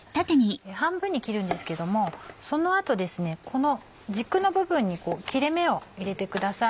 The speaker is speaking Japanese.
半分に切るんですけどもその後この軸の部分に切れ目を入れてください。